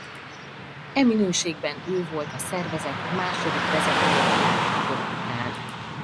E minőségben ő volt a szervezet második vezetője a világháború után.